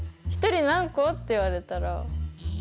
１人何個？」って言われたら。